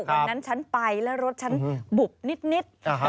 วันนั้นฉันไปแล้วรถฉันบุบนิด